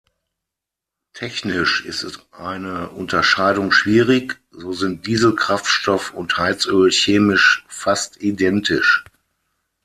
Technisch ist eine Unterscheidung schwierig; so sind Dieselkraftstoff und Heizöl chemisch fast identisch.